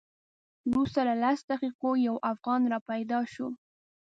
وروسته له لسو دقیقو یو افغان را پیدا شو.